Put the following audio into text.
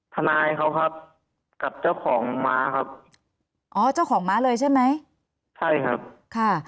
ทนายเขาครับกับเจ้าของม้าครับอ๋อเจ้าของม้าเลยใช่ไหมใช่ครับค่ะ